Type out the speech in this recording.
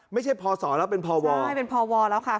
ไม่ใช่พอสอนแล้วเป็นพอวอร์ใช่เป็นพอวอร์แล้วค่ะ